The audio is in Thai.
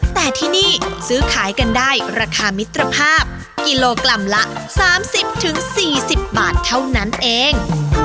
แต่ที่นี่ซื้อขายกันได้ราคามิตรภาพกิโลกรัมละ๓๐๔๐บาทเท่านั้นเอง